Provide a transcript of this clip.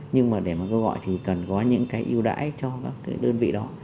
nhưng mà để mà kêu gọi thì cần có những cái yêu đãi cho các đơn vị đó